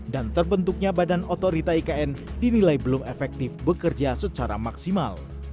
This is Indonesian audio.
dan terbentuknya badan otorita ikn dinilai belum efektif bekerja secara maksimal